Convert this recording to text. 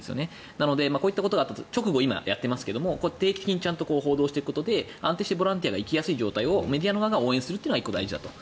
なので、こういったことが直後、今、やっていますが定期的に報道することで安定してボランティアが行きやすい状態をメディア側が応援するのは１個大事だと。